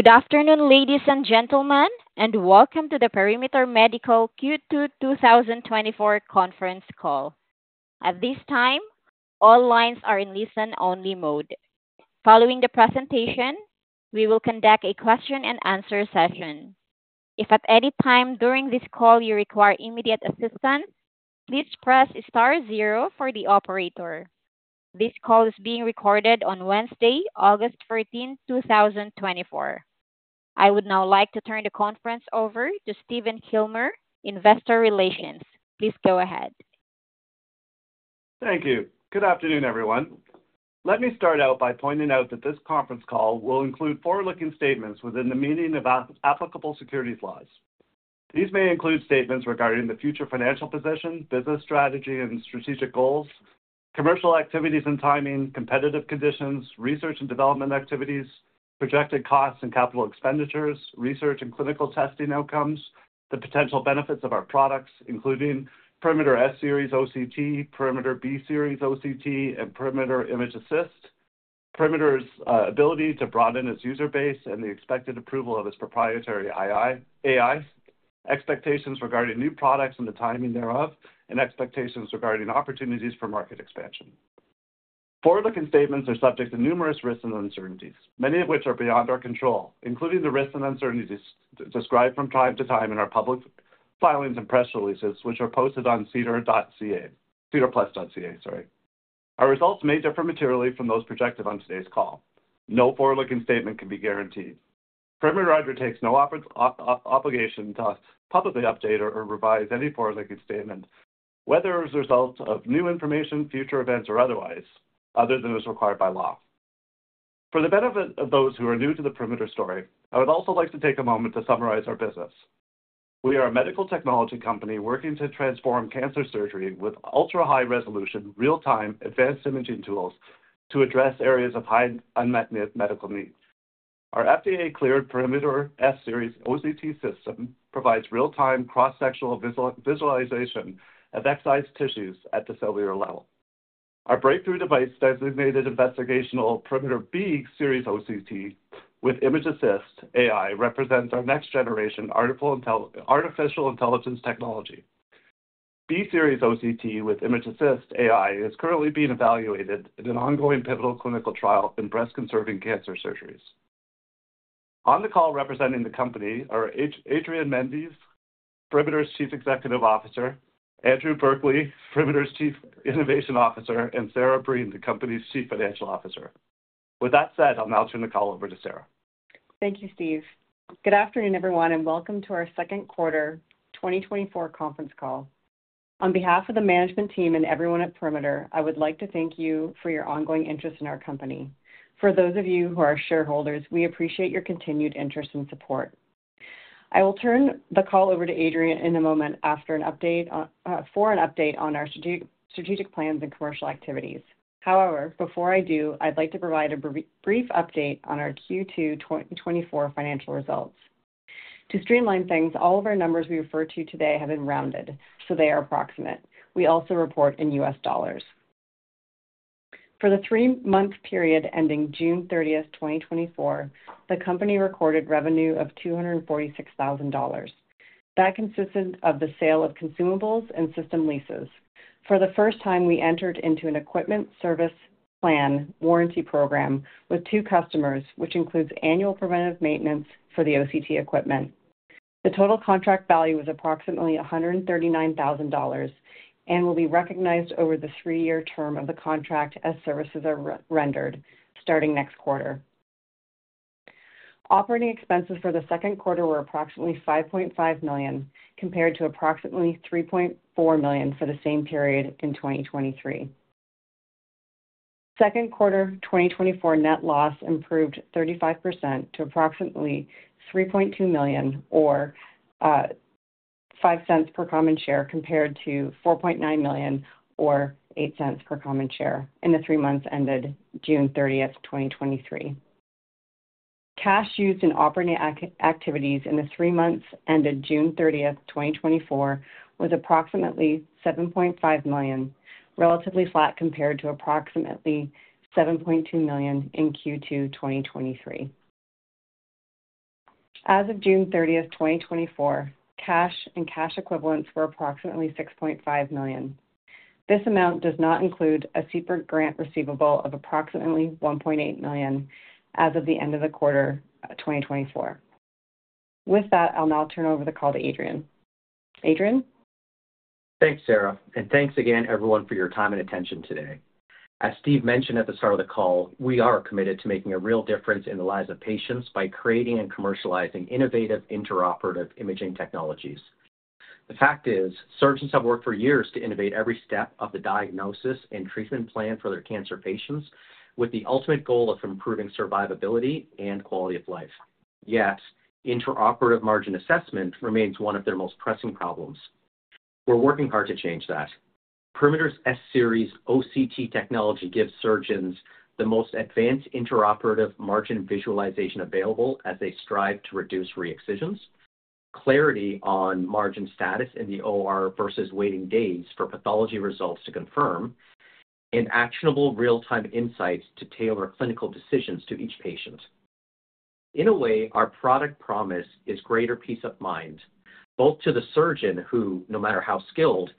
Good afternoon, ladies and gentlemen, and welcome to the Perimeter Medical Q2 2024 conference call. At this time, all lines are in listen-only mode. Following the presentation, we will conduct a question and answer session. If at any time during this call you require immediate assistance, please press star zero for the operator. This call is being recorded on Wednesday, August 14, 2024. I would now like to turn the conference over to Stephen Kilmer, Investor Relations. Please go ahead. Thank you. Good afternoon, everyone. Let me start out by pointing out that this conference call will include forward-looking statements within the meaning of applicable securities laws. These may include statements regarding the future financial position, business strategy and strategic goals, commercial activities and timing, competitive conditions, research and development activities, projected costs and capital expenditures, research and clinical testing outcomes, the potential benefits of our products, including Perimeter S-Series OCT, Perimeter B-Series OCT, and Perimeter ImgAssist. Perimeter's ability to broaden its user base and the expected approval of its proprietary AI. Expectations regarding new products and the timing thereof, and expectations regarding opportunities for market expansion. Forward-looking statements are subject to numerous risks and uncertainties, many of which are beyond our control, including the risks and uncertainties described from time to time in our public filings and press releases, which are posted on sedarplus.ca, sorry. Our results may differ materially from those projected on today's call. No forward-looking statement can be guaranteed. Perimeter takes no obligation to publicly update or revise any forward-looking statement, whether as a result of new information, future events, or otherwise, other than is required by law. For the benefit of those who are new to the Perimeter story, I would also like to take a moment to summarize our business. We are a medical technology company working to transform cancer surgery with ultra-high resolution, real-time advanced imaging tools to address areas of high unmet medical needs. Our FDA-cleared Perimeter S-Series OCT system provides real-time cross-sectional visualization of excised tissues at the cellular level. Our breakthrough device, designated investigational Perimeter B-Series OCT with ImgAssist AI, represents our next-generation artificial intelligence technology. B-Series OCT with ImgAssist AI is currently being evaluated in an ongoing pivotal clinical trial in breast-conserving cancer surgeries. On the call representing the company are Adrian Mendes, Perimeter's Chief Executive Officer, Andrew Berkeley, Perimeter's Chief Innovation Officer, and Sara Brien, the company's Chief Financial Officer. With that said, I'll now turn the call over to Sara. Thank you, Steve. Good afternoon, everyone, and welcome to our second quarter 2024 conference call. On behalf of the management team and everyone at Perimeter, I would like to thank you for your ongoing interest in our company. For those of you who are shareholders, we appreciate your continued interest and support. I will turn the call over to Adrian in a moment after an update on for an update on our strategic plans and commercial activities. However, before I do, I'd like to provide a brief update on our Q2 2024 financial results. To streamline things, all of our numbers we refer to today have been rounded, so they are approximate. We also report in U.S. dollars. For the three-month period ending June 30, 2024, the company recorded revenue of $246,000. That consisted of the sale of consumables and system leases. For the first time, we entered into an equipment service plan warranty program with two customers, which includes annual preventive maintenance for the OCT equipment. The total contract value was approximately $139,000 and will be recognized over the three-year term of the contract as services are re-rendered, starting next quarter. Operating expenses for the second quarter were approximately $5.5 million, compared to approximately $3.4 million for the same period in 2023. Second quarter 2024 net loss improved 35% to approximately $3.2 million, or $0.05 per common share, compared to $4.9 million, or $0.08 per common share in the three months ended June 30, 2023. Cash used in operating activities in the three months ended June 30, 2024, was approximately $7.5 million, relatively flat compared to approximately $7.2 million in Q2 2023. As of June 30, 2024, cash and cash equivalents were approximately $6.5 million. This amount does not include a CPRIT grant receivable of approximately $1.8 million as of the end of the quarter, 2024. With that, I'll now turn over the call to Adrian. Adrian? Thanks, Sara, and thanks again everyone for your time and attention today. As Steve mentioned at the start of the call, we are committed to making a real difference in the lives of patients by creating and commercializing innovative intraoperative imaging technologies. The fact is, surgeons have worked for years to innovate every step of the diagnosis and treatment plan for their cancer patients, with the ultimate goal of improving survivability and quality of life. Yet, intraoperative margin assessment remains one of their most pressing problems. We're working hard to change that. Perimeter's S-Series OCT technology gives surgeons the most advanced intraoperative margin visualization available as they strive to reduce re-excisions, clarity on margin status in the OR versus waiting days for pathology results to confirm, and actionable real-time insights to tailor clinical decisions to each patient. In a way, our product promise is greater peace of mind, both to the surgeon who, no matter how skilled,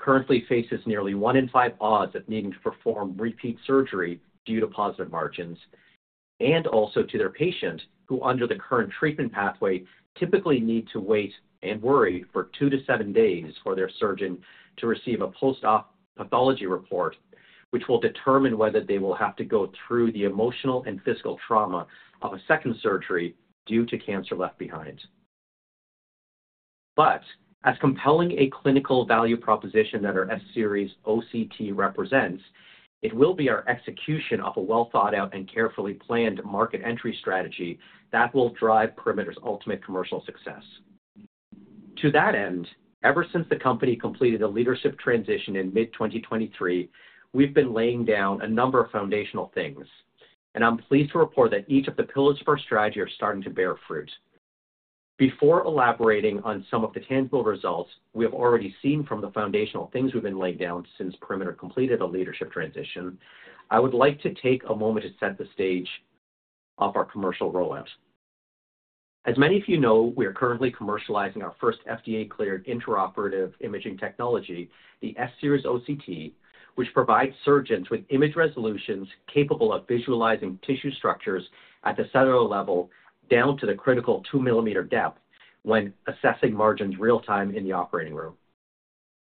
currently faces nearly one in five odds of needing to perform repeat surgery due to positive margins, and also to their patient, who, under the current treatment pathway, typically need to wait and worry for two to seven days for their surgeon to receive a post-op pathology report, which will determine whether they will have to go through the emotional and physical trauma of a second surgery due to cancer left behind. But as compelling a clinical value proposition that our S-Series OCT represents, it will be our execution of a well-thought-out and carefully planned market entry strategy that will drive Perimeter's ultimate commercial success. To that end, ever since the company completed a leadership transition in mid-2023, we've been laying down a number of foundational things, and I'm pleased to report that each of the pillars of our strategy are starting to bear fruit. Before elaborating on some of the tangible results we have already seen from the foundational things we've been laying down since Perimeter completed a leadership transition, I would like to take a moment to set the stage of our commercial rollout. As many of you know, we are currently commercializing our first FDA-cleared intraoperative imaging technology, the S-Series OCT, which provides surgeons with image resolutions capable of visualizing tissue structures at the cellular level, down to the critical 2 mm depth when assessing margins real time in the operating room.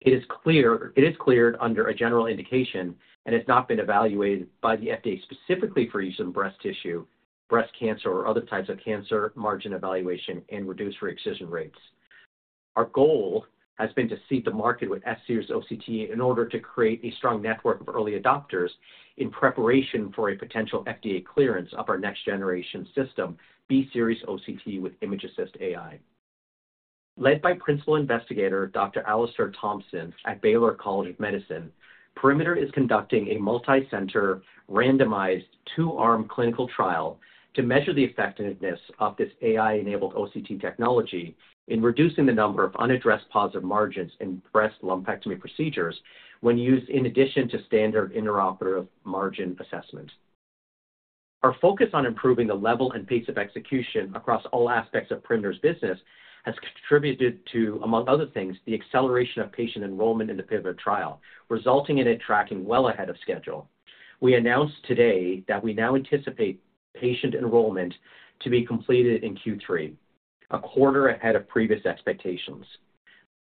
It is cleared under a general indication and has not been evaluated by the FDA specifically for use in breast tissue, breast cancer, or other types of cancer, margin evaluation, and reduced re-excision rates. Our goal has been to seed the market with S-Series OCT in order to create a strong network of early adopters in preparation for a potential FDA clearance of our next-generation system, B-Series OCT with ImgAssist AI. Led by Principal Investigator Dr. Alastair Thompson at Baylor College of Medicine, Perimeter is conducting a multicenter, randomized, two-arm clinical trial to measure the effectiveness of this AI-enabled OCT technology in reducing the number of unaddressed positive margins in breast lumpectomy procedures when used in addition to standard intraoperative margin assessment. Our focus on improving the level and pace of execution across all aspects of Perimeter's business has contributed to, among other things, the acceleration of patient enrollment in the pivotal trial, resulting in it tracking well ahead of schedule. We announced today that we now anticipate patient enrollment to be completed in Q3, a quarter ahead of previous expectations.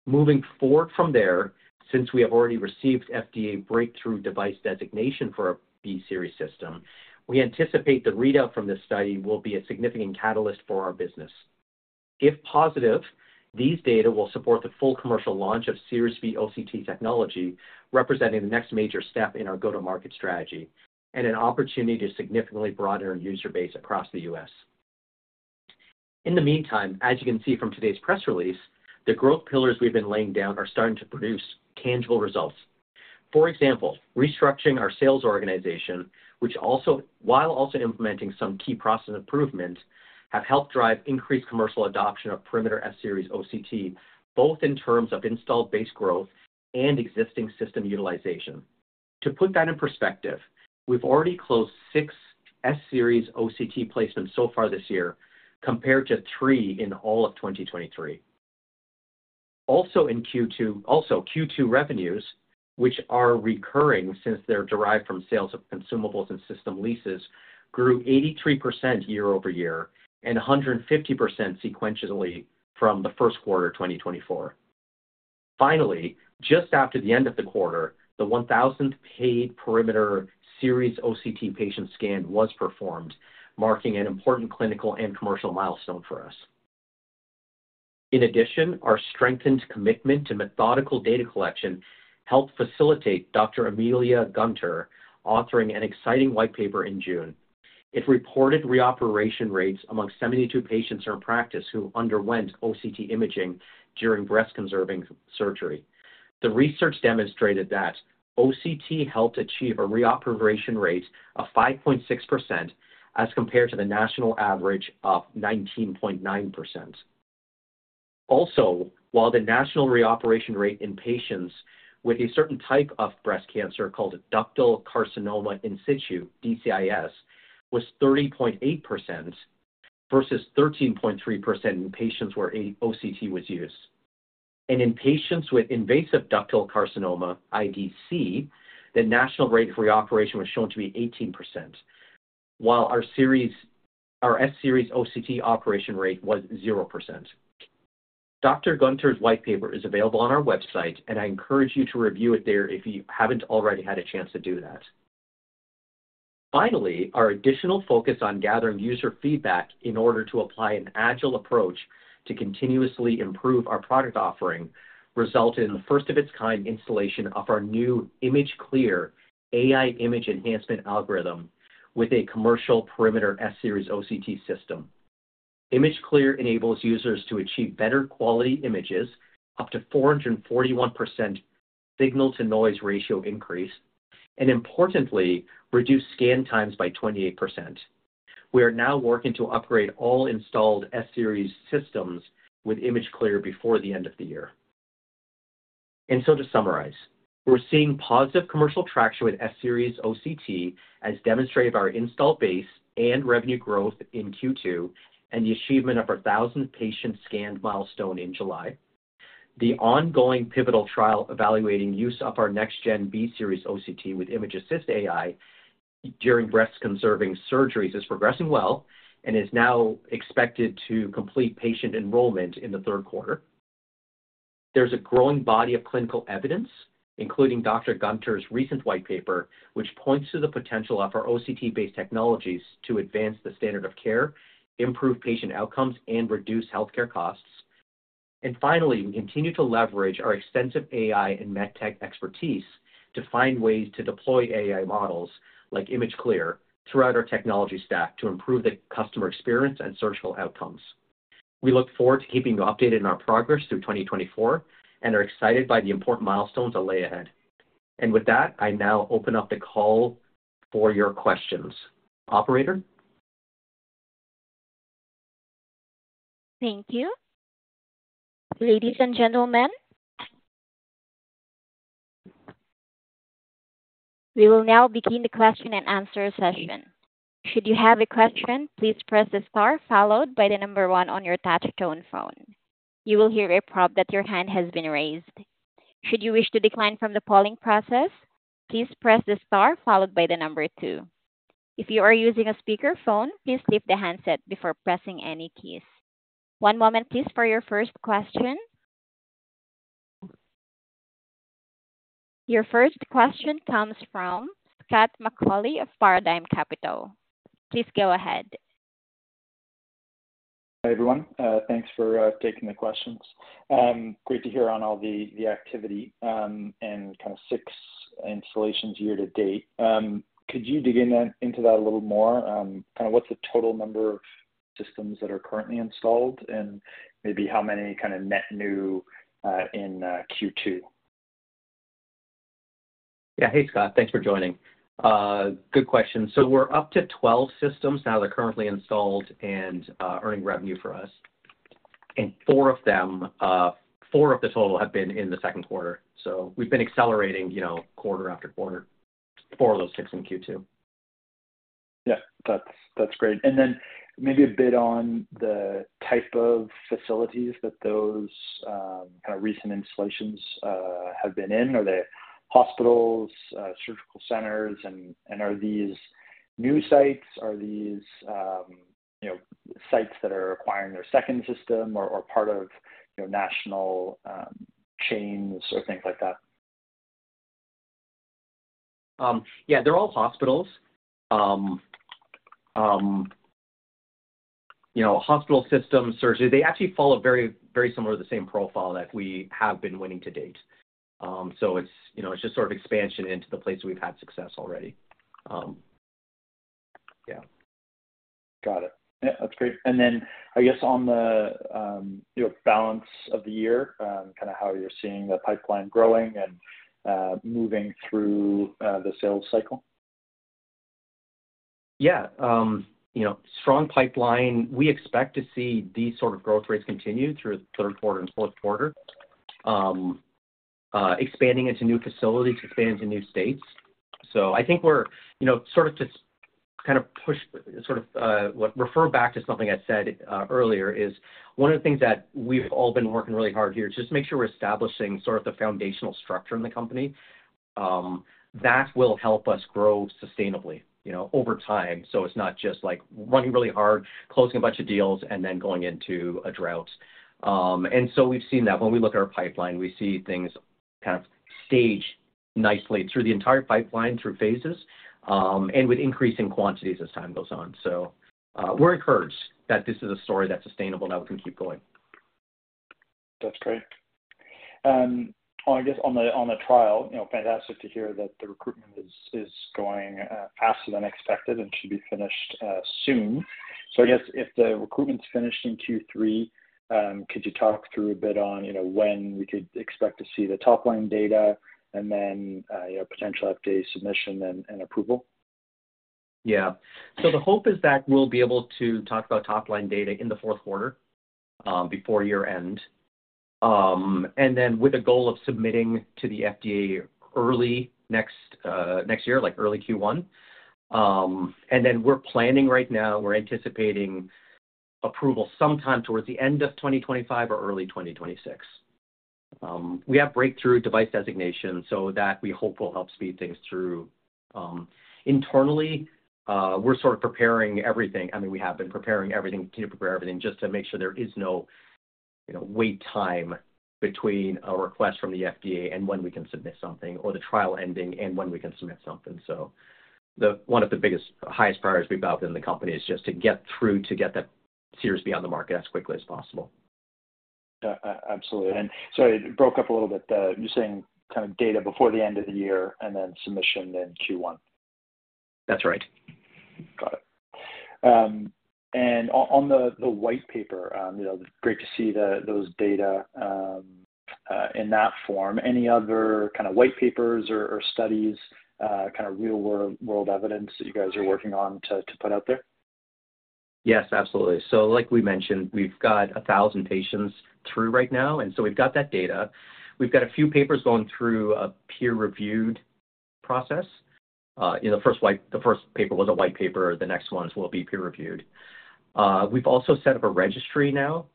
Moving forward from there, since we have already received FDA Breakthrough Device Designation for our B-Series system, we anticipate the readout from this study will be a significant catalyst for our business. If positive, these data will support the full commercial launch of B-Series OCT technology, representing the next major step in our go-to-market strategy and an opportunity to significantly broaden our user base across the U.S. In the meantime, as you can see from today's press release, the growth pillars we've been laying down are starting to produce tangible results. For example, restructuring our sales organization, which, while also implementing some key process improvements, have helped drive increased commercial adoption of Perimeter S-Series OCT, both in terms of installed base growth and existing system utilization. To put that in perspective, we've already closed 6 S-Series OCT placements so far this year, compared to 3 in all of 2023. Also, Q2 revenues, which are recurring since they're derived from sales of consumables and system leases, grew 83% year-over-year and 150 sequentially from the first quarter of 2024. Finally, just after the end of the quarter, the 1,000th paid Perimeter S-Series OCT patient scan was performed, marking an important clinical and commercial milestone for us. In addition, our strengthened commitment to methodical data collection helped facilitate Dr. Amelia Gunter authoring an exciting white paper in June. It reported reoperation rates among 72 patients in practice who underwent OCT imaging during breast-conserving surgery. The research demonstrated that OCT helped achieve a reoperation rate of 5.6%, as compared to the national average of 19.9%. Also, while the national reoperation rate in patients with a certain type of breast cancer, called ductal carcinoma in situ, DCIS, was 30.8% versus 13.3% in patients where an OCT was used. In patients with invasive ductal carcinoma, IDC, the national rate of reoperation was shown to be 18%, while our S-Series OCT operation rate was 0%. Dr. Gunter's white paper is available on our website, and I encourage you to review it there if you haven't already had a chance to do that. Finally, our additional focus on gathering user feedback in order to apply an agile approach to continuously improve our product offering resulted in the first of its kind installation of our new ImgClear AI image enhancement algorithm with a commercial Perimeter S-Series OCT system. ImgClear enables users to achieve better quality images, up to 441% signal-to-noise ratio increase, and importantly, reduce scan times by 28%. We are now working to upgrade all installed S-Series systems with ImgClear before the end of the year. And so to summarize, we're seeing positive commercial traction with S-Series OCT, as demonstrated by our install base and revenue growth in Q2, and the achievement of our 1,000 patient scanned milestone in July. The ongoing pivotal trial evaluating use of our next-gen B-Series OCT with ImgAssist AI during breast-conserving surgeries is progressing well and is now expected to complete patient enrollment in the third quarter. There's a growing body of clinical evidence, including Dr. Gunter's recent white paper, which points to the potential of our OCT-based technologies to advance the standard of care, improve patient outcomes, and reduce healthcare costs. And finally, we continue to leverage our extensive AI and med tech expertise to find ways to deploy AI models like ImgClear throughout our technology stack to improve the customer experience and surgical outcomes. We look forward to keeping you updated on our progress through 2024 and are excited by the important milestones that lay ahead. With that, I now open up the call for your questions. Operator? Thank you. Ladies and gentlemen, we will now begin the question and answer session. Should you have a question, please press the star followed by the number one on your touchtone phone. You will hear a prompt that your hand has been raised. Should you wish to decline from the polling process, please press the star followed by the number two. If you are using a speakerphone, please leave the handset before pressing any keys. One moment, please, for your first question. Your first question comes from Scott McAuley of Paradigm Capital. Please go ahead. Hi, everyone. Thanks for taking the questions. Great to hear on all the activity and kind of six installations year-to-date. Could you dig into that a little more? Kind of what's the total number of systems that are currently installed and maybe how many kind of net new in Q2? Yeah. Hey, Scott, thanks for joining. Good question. So we're up to 12 systems now that are currently installed and earning revenue for us, and four of them, four of the total have been in the second quarter. So we've been accelerating, you know, quarter-after-quarter, four of those six in Q2. Yeah, that's, that's great. And then maybe a bit on the type of facilities that those, kind of recent installations, have been in. Are they hospitals, surgical centers? And, and are these new sites, are these, you know, sites that are acquiring their second system or, or part of, you know, national, chains or things like that? Yeah, they're all hospitals. You know, hospital systems, surgery. They actually follow very, very similar to the same profile that we have been winning to date. So it's, you know, it's just sort of expansion into the places we've had success already. Yeah. Got it. Yeah, that's great. Then I guess on the, you know, balance of the year, kind of how you're seeing the pipeline growing and moving through the sales cycle? Yeah. You know, strong pipeline. We expect to see these sort of growth rates continue through the third quarter and fourth quarter. Expanding into new facilities, expanding to new states. So I think we're, you know, sort of to kind of push sort of, refer back to something I said, earlier, is one of the things that we've all been working really hard here, just to make sure we're establishing sort of the foundational structure in the company. That will help us grow sustainably, you know, over time. So it's not just like running really hard, closing a bunch of deals and then going into a drought. And so we've seen that when we look at our pipeline, we see things kind of stage nicely through the entire pipeline, through phases, and with increasing quantities as time goes on. So, we're encouraged that this is a story that's sustainable, now we can keep going. That's great. I guess on the trial, you know, fantastic to hear that the recruitment is going faster than expected and should be finished soon. So I guess if the recruitment's finished in Q3, could you talk through a bit on, you know, when we could expect to see the top-line data and then, you know, potential FDA submission and approval? Yeah. So the hope is that we'll be able to talk about top-line data in the fourth quarter, before year-end. And then with a goal of submitting to the FDA early next, next year, like early Q1. And then we're planning right now, we're anticipating approval sometime towards the end of 2025 or early 2026. We have Breakthrough Device Designation, so that we hope will help speed things through. Internally, we're sort of preparing everything. I mean, we have been preparing everything, to prepare everything just to make sure there is no, you know, wait time between a request from the FDA and when we can submit something, or the trial ending and when we can submit something. One of the biggest, highest priorities we have in the company is just to get the B-Series to the market as quickly as possible. Yeah, absolutely. And so it broke up a little bit, you're saying kind of data before the end of the year and then submission in Q1? That's right. And on the white paper, you know, great to see those data in that form. Any other kind of white papers or studies, kind of real-world evidence that you guys are working on to put out there? Yes, absolutely. So like we mentioned, we've got 1,000 patients through right now, and so we've got that data. We've got a few papers going through a peer-reviewed process. You know, the first paper was a white paper, the next ones will be peer-reviewed. We've also set up a registry now,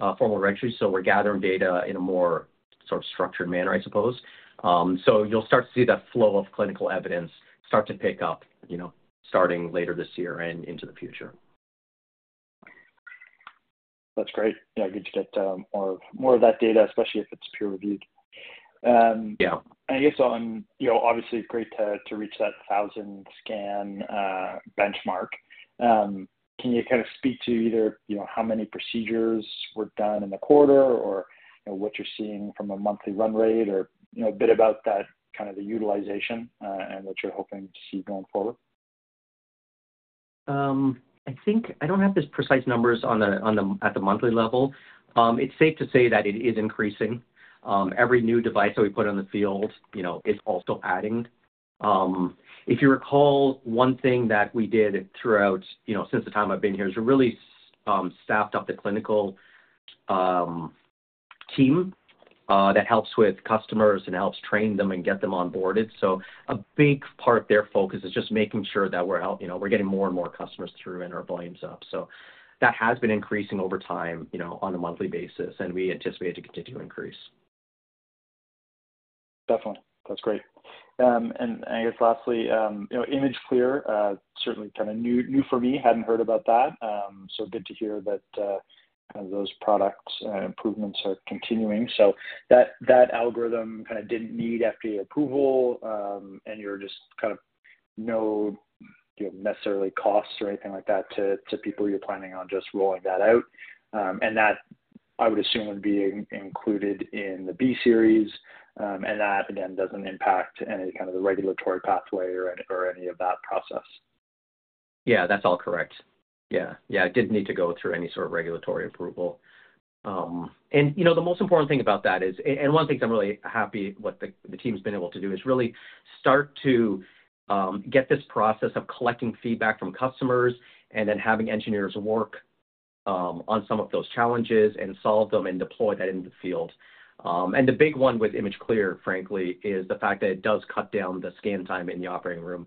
a formal registry, so we're gathering data in a more sort of structured manner, I suppose. So you'll start to see that flow of clinical evidence start to pick up, you know, starting later this year and into the future. That's great. Yeah, good to get more of that data, especially if it's peer-reviewed. Yeah. I guess on, you know, obviously, it's great to reach that 1,000-scan benchmark. Can you kind of speak to either, you know, how many procedures were done in the quarter, or, you know, what you're seeing from a monthly run rate or, you know, a bit about that kind of the utilization, and what you're hoping to see going forward? I think I don't have the precise numbers on the at the monthly level. It's safe to say that it is increasing. Every new device that we put on the field, you know, is also adding. If you recall, one thing that we did throughout, you know, since the time I've been here, is we really staffed up the clinical team that helps with customers and helps train them and get them onboarded. So a big part of their focus is just making sure that we're, you know, we're getting more and more customers through and our volumes up. So that has been increasing over time, you know, on a monthly basis, and we anticipate it to continue to increase. Definitely. That's great. I guess lastly, you know, ImgClear certainly kind of new for me. Hadn't heard about that. So good to hear that, kind of those products and improvements are continuing. So that algorithm kind of didn't need FDA approval, and you're just kind of not, you know, necessarily costs or anything like that to people. You're planning on just rolling that out. And that, I would assume, would be included in the B-Series, and that, again, doesn't impact any kind of the regulatory pathway or any of that process. Yeah, that's all correct. Yeah. Yeah, it didn't need to go through any sort of regulatory approval. And, you know, the most important thing about that is, and one of the things I'm really happy what the team's been able to do, is really start to get this process of collecting feedback from customers and then having engineers work on some of those challenges and solve them and deploy that in the field. And the big one with ImgClear, frankly, is the fact that it does cut down the scan time in the operating room.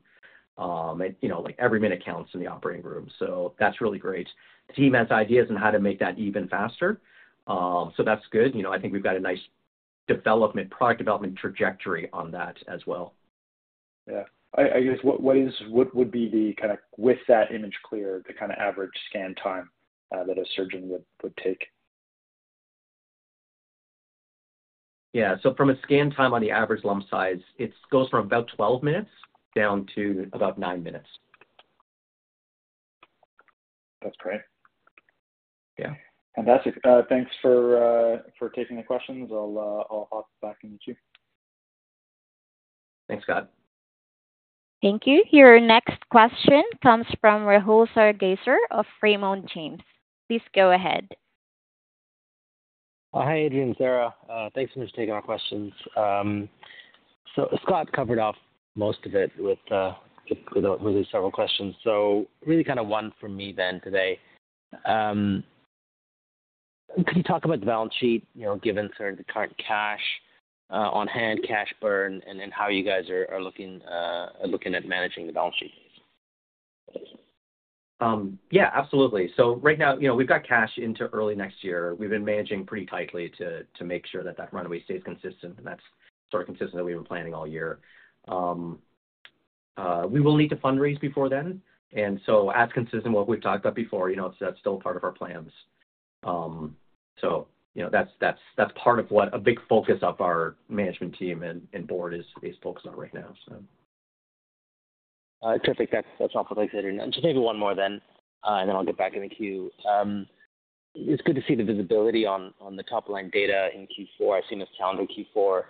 And, you know, like, every minute counts in the operating room, so that's really great. The team has ideas on how to make that even faster, so that's good. You know, I think we've got a nice development, product development trajectory on that as well. Yeah. I guess what is, what would be the kind of, with that ImgClear, the kind of average scan time that a surgeon would take? Yeah. So from a scan time on the average lump size, it goes from about 12 minutes down to about nine minutes. That's great. Yeah. Fantastic. Thanks for taking the questions. I'll hop back in the queue. Thanks, Scott. Thank you. Your next question comes from Rahul Sarugaser of Raymond James. Please go ahead. Hi, Adrian and Sara. Thanks for just taking our questions. So Scott covered off most of it with just really several questions. So really kind of one for me then today. Could you talk about the balance sheet, you know, given sort of the current cash on hand, cash burn, and how you guys are looking at managing the balance sheet? Yeah, absolutely. So right now, you know, we've got cash into early next year. We've been managing pretty tightly to make sure that that runway stays consistent, and that's sort of consistent that we've been planning all year. We will need to fundraise before then, and so as consistent what we've talked about before, you know, that's still part of our plans. So, you know, that's part of what a big focus of our management team and board is focused on right now, so. Terrific. That's all for later. And just maybe one more then, and then I'll get back in the queue. It's good to see the visibility on the top-line data in Q4. I've seen this calendar Q4,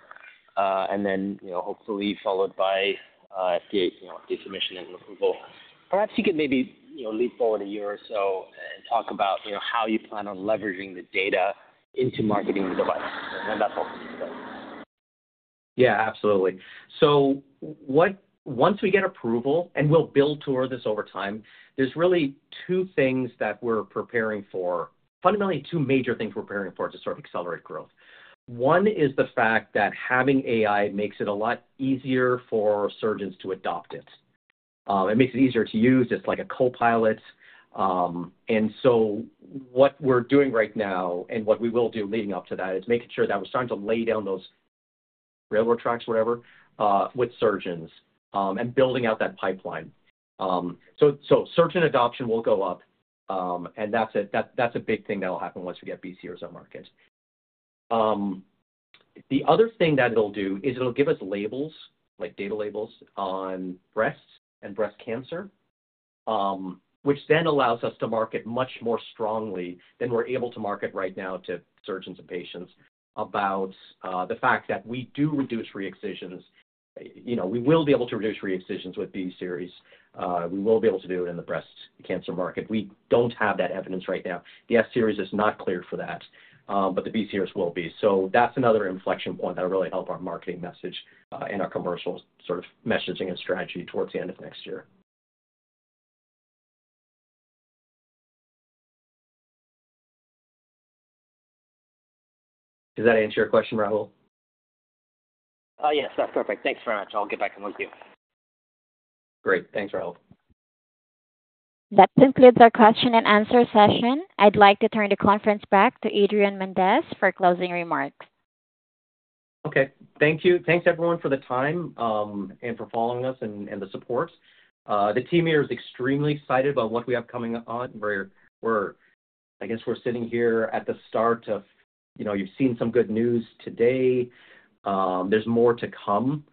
and then, you know, hopefully followed by FDA, you know, the submission and approval. Perhaps you could maybe, you know, leap forward a year or so and talk about, you know, how you plan on leveraging the data into marketing the device and that focus. Yeah, absolutely. Once we get approval, and we'll build toward this over time, there's really two things that we're preparing for. Fundamentally, two major things we're preparing for to sort of accelerate growth. One is the fact that having AI makes it a lot easier for surgeons to adopt it. It makes it easier to use, just like a co-pilot. And so what we're doing right now, and what we will do leading up to that, is making sure that we're starting to lay down those railroad tracks, whatever with surgeons, and building out that pipeline. So, so surgeon adoption will go up, and that's a, that, that's a big thing that will happen once we get BC or Z markets. The other thing that it'll do is it'll give us labels, like data labels, on breasts and breast cancer, which then allows us to market much more strongly than we're able to market right now to surgeons and patients about the fact that we do reduce re-excisions. You know, we will be able to reduce re-excisions with B-series. We will be able to do it in the breast cancer market. We don't have that evidence right now. The S series is not cleared for that, but the B-series will be. So that's another inflection point that'll really help our marketing message and our commercial sort of messaging and strategy towards the end of next year. Does that answer your question, Rahul? Yes, that's perfect. Thanks very much. I'll get back in one queue. Great. Thanks, Rahul. That concludes our question and answer session. I'd like to turn the conference back to Adrian Mendes for closing remarks. Okay. Thank you. Thanks, everyone, for the time, and for following us and the support. The team here is extremely excited about what we have coming on. We're, I guess we're sitting here at the start of, you know, you've seen some good news today. There's more to come.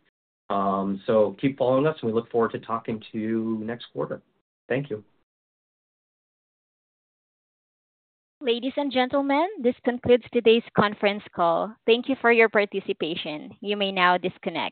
So keep following us, and we look forward to talking to you next quarter. Thank you. Ladies and gentlemen, this concludes today's conference call. Thank you for your participation. You may now disconnect.